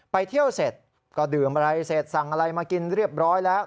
ไปเที่ยวเสร็จก็ดื่มอะไรเสร็จสั่งอะไรมากินเรียบร้อยแล้ว